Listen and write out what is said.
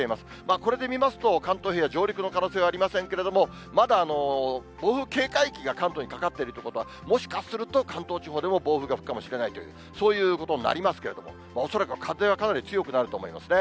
これで見ますと、関東平野上陸の可能性はありませんけれども、まだ暴風警戒域が関東にかかっているということは、もしかすると関東地方でも暴風が吹くかもしれないという、そういうことになりますけれども、恐らくは風はかなり強くなると思いますね。